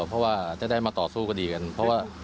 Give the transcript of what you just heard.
เพราะว่าจะได้มาต่อสู้คดีกันเพราะว่า